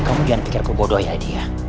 kamu jangan pikir aku bodoh ya adia